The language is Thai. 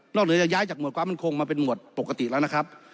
เหนือจะย้ายจากหวดความมั่นคงมาเป็นหวดปกติแล้วนะครับ